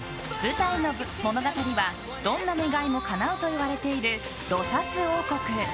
物語の舞台は、どんな願いもかなうといわれているロサス王国。